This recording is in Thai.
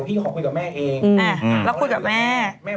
แล้วพี่ก็พูดกับแม่